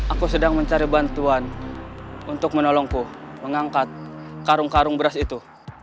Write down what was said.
aku sedang mencari bantuan untuk menolongku mengangkat karung karung beras itu